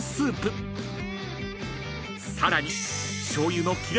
［さらに］